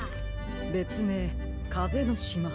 べつめいかぜのしま。